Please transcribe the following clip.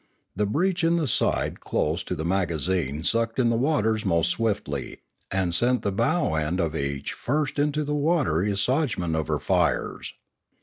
The breach in the side close to the magazine sucked in the waters most swiftly, and sent the bow end of each first to the watery assuagement of her fires.